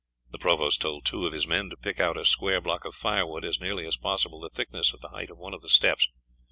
The provost told two of his men to pick out a square block of firewood, as nearly as possible the thickness of the height of one of the steps.